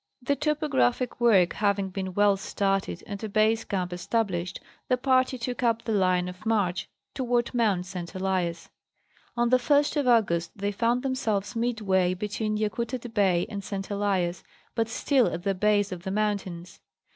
The topographic work having been well started and a base camp established, the party took up the line of march toward Mt. St. Elias. On the first of August they found themselves midway between Yakutat Bay and St. Elias, but still at the base of the mountains.